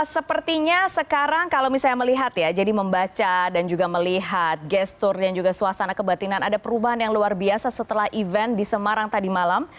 sepertinya sekarang kalau misalnya melihat ya jadi membaca dan juga melihat gestur dan juga suasana kebatinan ada perubahan yang luar biasa setelah event di semarang tadi malam